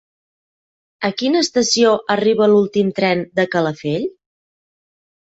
A quina estació arriba l'últim tren de Calafell?